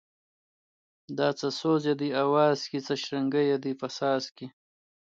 دا څه سوز یې دی اواز کی څه شرنگی یې دی په ساز کی